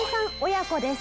親子です。